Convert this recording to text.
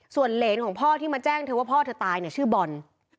ส่วนเหรนของพ่อที่มาแจ้งเธอว่าพ่อเธอตายเนี่ยชื่อบอล